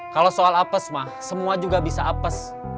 kalau soal apes mah semua juga bisa apes